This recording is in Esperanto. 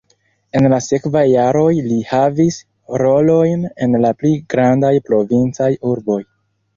En la sekvaj jaroj li havis rolojn en la pli grandaj provincaj urboj.